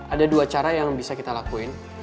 ada dua cara yang bisa kita lakuin